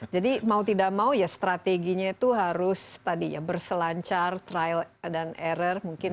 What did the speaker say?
jadi mau tidak mau strateginya itu harus berselancar trial and error